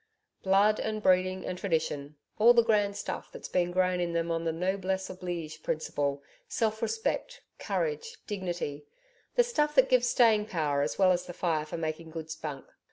'Blood and breeding and tradition all the grand stuff that's been grown in them on the NOBLESSE OBLIGE principle self respect, courage, dignity the stuff that gives staying power as well as the fire for making good spunk....